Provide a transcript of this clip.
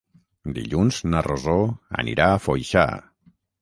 Dilluns na Rosó anirà a Foixà.